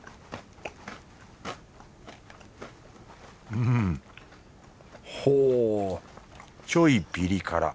うんほぉちょいピリ辛。